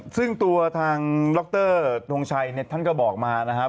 ซึ่งตัวทางรกเตอร์ทรงชัยก็บอกมานะครับ